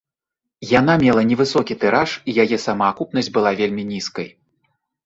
Яна мела невысокі тыраж і яе самаакупнасць была вельмі нізкай.